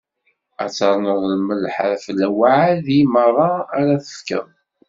Ad ternuḍ lmelḥ ɣef lewɛadi meṛṛa ara tefkeḍ.